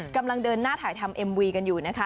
กำลังเดินหน้าถ่ายทำเอ็มวีกันอยู่นะคะ